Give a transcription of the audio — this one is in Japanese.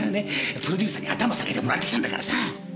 プロデューサーに頭下げてもらってきたんだからさぁ。